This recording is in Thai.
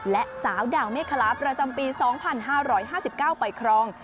และสาวด่างเมคลาประจำปี๒๕๕๙ไปครอง